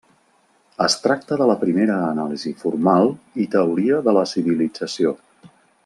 Es tracta de la primera anàlisi formal i teoria de la civilització.